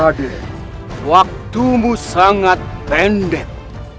raden waktumu sangat pendek